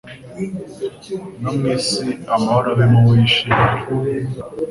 no mu isi amahoro abe mu bo yishimira"